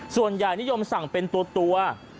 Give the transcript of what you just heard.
ส่วนใหญ่นิยมสั่งเป็นตัว